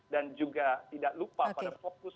dan juga tidak lupa pada fokus yang seharusnya kita lakukan